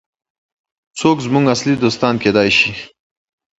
Yield management gave way to the more general practice of revenue management.